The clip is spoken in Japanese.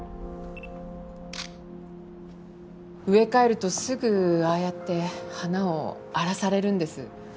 植え替えるとすぐああやって花を荒らされるんです。